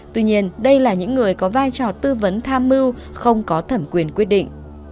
tuy nhiên đây là những người có vai trò tư vấn tham mưu không có thẩm quyền quyết định